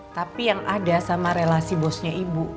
tapi yang ada sama relasi bosnya ibu